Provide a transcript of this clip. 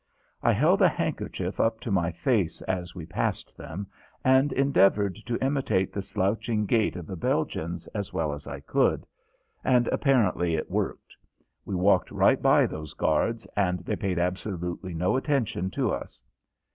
I held a handkerchief up to my face as we passed them, and endeavored to imitate the slouching gait of the Belgians as well as I could; and apparently it worked. We walked right by those guards and they paid absolutely no attention to us.